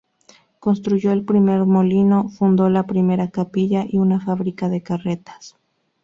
Construyó el primer molino, fundó la primera capilla y una fábrica de carretas.